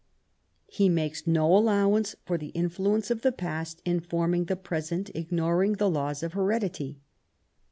He makes no allowance for the influence of the past in forming the present, ignoring the laws of heredity.